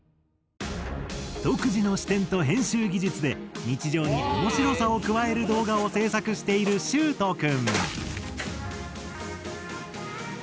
独自の視点と編集技術で日常に面白さを加える動画を制作しているしゅうと君。